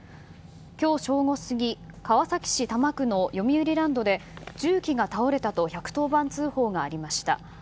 今日正午過ぎ、川崎市多摩区のよみうりランドで重機が倒れたと１１０番通報がありました。